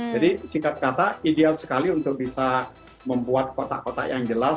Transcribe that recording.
jadi singkat kata ideal sekali untuk bisa membuat kotak kotak yang jelas